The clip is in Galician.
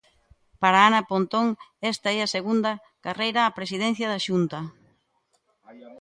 Para Ana Pontón esta é a segunda carreira á presidencia da Xunta.